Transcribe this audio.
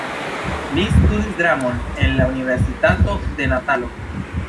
Li studis dramon en la Universitato de Natalo.